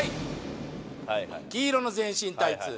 「黄色の全身タイツ」